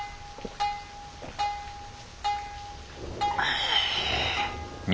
ああ。